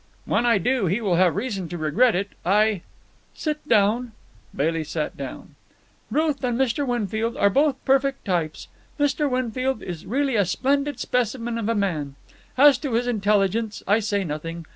"When I do, he will have reason to regret it. I——" "Sit down." Bailey sat down. "Ruth and Mr. Winfield are both perfect types. Mr. Winfield is really a splendid specimen of a man. As to his intelligence, I say nothing.